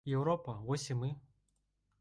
Еўропа, вось і мы.